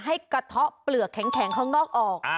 ให้กระเทาะเปลือกแข็งข้างนอกออก